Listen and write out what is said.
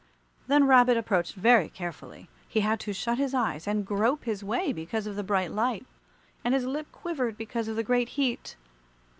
Then Rabbit approached very carefully. He had to shut his eyes and grope his way because of the bright light, and his lip quivered because of the great heat.